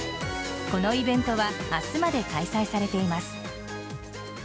このイベントは明日まで開催されています。